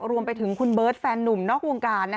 รวมไปถึงคุณเบิร์ตแฟนหนุ่มนอกวงการ